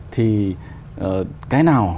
thì cái nào